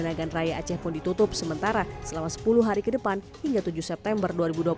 nagan raya aceh pun ditutup sementara selama sepuluh hari ke depan hingga tujuh september dua ribu dua puluh satu